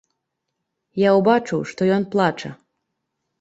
Я ўбачыў, што ён плача.